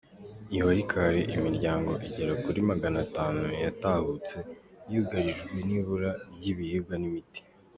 I Walikare imiryango igera kuri Maganatanu yatahutse yugarijwe n’ibura ry’ibiribwa n’imiti